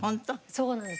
そうなんです。